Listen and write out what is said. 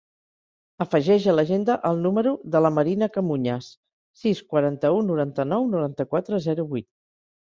Afegeix a l'agenda el número de la Marina Camuñas: sis, quaranta-u, noranta-nou, noranta-quatre, zero, vuit.